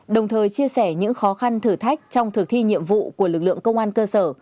đồng thời chia sẻ những khó khăn thử thách trong thực thi nhiệm vụ của lực lượng công an cơ sở